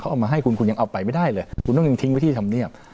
เอามาให้คุณคุณยังเอาไปไม่ได้เลยคุณต้องยังทิ้งไว้ที่ธรรมเนียบ